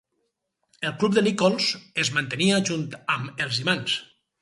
El cub de Nichols es mantenia junt amb els imants.